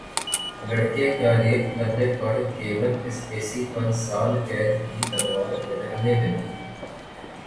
لڑکے کا ریپ کرنے پر کیون اسپیسی پر سال قید کی تلوار لٹکنے لگی